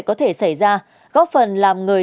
có thể xảy ra góp phần làm người